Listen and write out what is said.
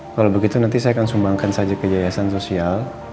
kalau begitu nanti saya akan sumbangkan saja kejayaan sosial